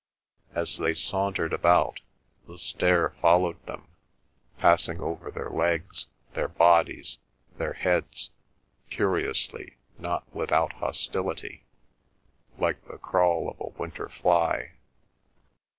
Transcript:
As they sauntered about, the stare followed them, passing over their legs, their bodies, their heads, curiously not without hostility, like the crawl of a winter fly.